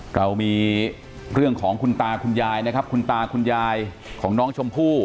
เรามีเรื่องของคุณตาคุณยายนะครับคุณตาคุณยายของน้องชมพู่